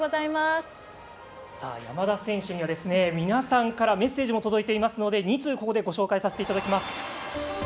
山田選手には皆さんからメッセージも届いていますので２通、ここでご紹介させていただきます。